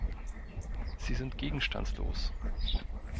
Sie sind gegenstandslos.